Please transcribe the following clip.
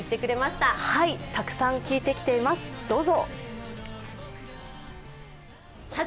たくさん聞いてきていますどうぞ。